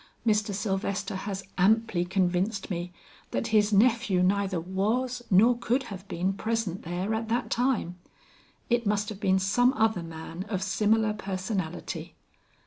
Mr. Sylvester has amply convinced me that his nephew neither was, nor could have been present there at that time. It must have been some other man, of similar personality."